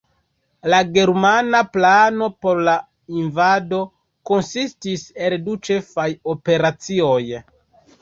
La germana plano por la invado konsistis el du ĉefaj operacioj.